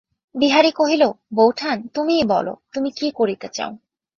বিহারী কহিল, বোঠান, তুমিই বলো, তুমি কী করিতে চাও।